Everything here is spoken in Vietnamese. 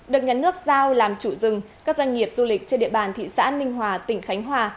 được nhà nước giao làm chủ rừng các doanh nghiệp du lịch trên địa bàn thị xã ninh hòa tỉnh khánh hòa